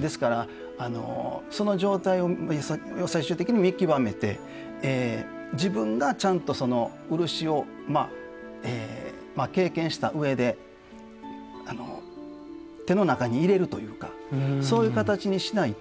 ですからその状態を最終的に見極めて自分がちゃんと漆をまあ経験した上で手の中に入れるというかそういう形にしないと。